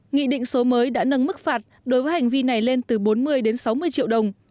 nghị định số mới đã nâng mức phạt đối với hành vi này lên từ bốn mươi đến sáu mươi triệu đồng